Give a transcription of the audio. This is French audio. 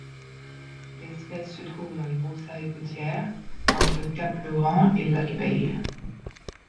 L'espèce se trouve dans les broussailles côtières entre cap Le Grand et Lucky Bay.